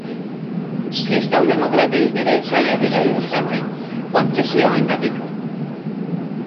Kristau-demokratei ere ez zaie gehiegi gustatzen, kontzesioengatik.